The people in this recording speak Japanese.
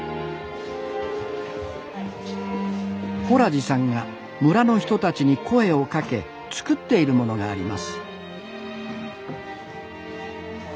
洞地さんが村の人たちに声をかけ作っているものがあります